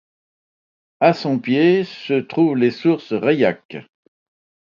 À son pied se trouvent les sources Reilhac.